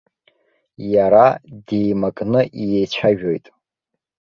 Иара деимакны иеицәажәоит.